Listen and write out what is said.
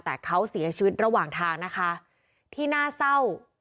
แต่เขาเสียชีวิตระหว่างทางนะคะที่น่าเศร้า